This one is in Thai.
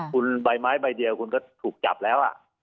คุณใบไม้ใบเดียวคุณก็ถูกจับแล้ว